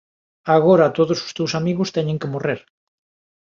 Agora todos os teus amigos teñen que morrer.